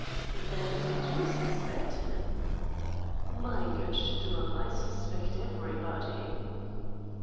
"Then you do suspect him!" "My good Sturm, I suspect everybody."